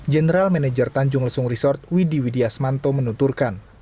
general manager tanjung lesung resort widi widiasmanto menuturkan